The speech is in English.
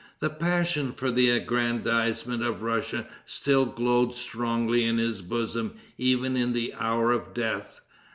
The passion for the aggrandizement of Russia still glowed strongly in his bosom even in the hour of death.